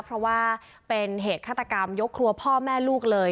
เพราะว่าเป็นเหตุฆาตกรรมยกครัวพ่อแม่ลูกเลย